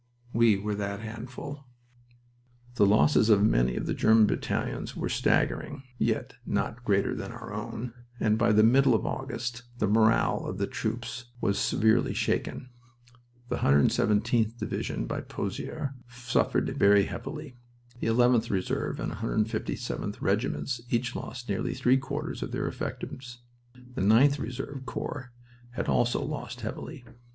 We were that handful." The losses of many of the German battalions were staggering (yet not greater than our own), and by the middle of August the morale of the troops was severely shaken. The 117th Division by Pozires suffered very heavily. The 11th Reserve and 157th Regiments each lost nearly three quarters of their effectives. The 9th Reserve Corps had also lost heavily.